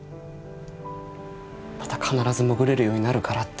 また必ず潜れるようになるからって。